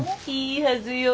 いいはずよ。